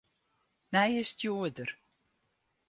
Nije stjoerder.